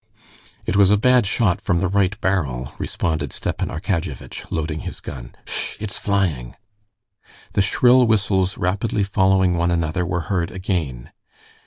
"It was a bad shot from the right barrel," responded Stepan Arkadyevitch, loading his gun. "Sh... it's flying!" The shrill whistles rapidly following one another were heard again.